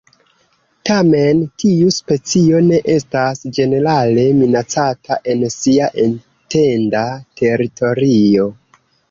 Tamen, tiu specio ne estas ĝenerale minacata en sia etenda teritorio.